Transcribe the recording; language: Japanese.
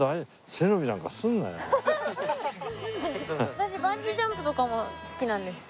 私バンジージャンプとかも好きなんです。